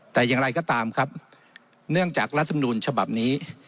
แต่อย่างไรก็ตามครับเนื่องจากรัฐมนูลฉบับนี้